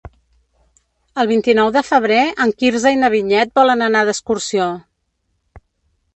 El vint-i-nou de febrer en Quirze i na Vinyet volen anar d'excursió.